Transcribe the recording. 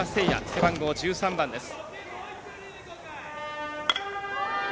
背番号１３番です。